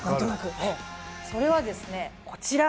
それはですねこちら！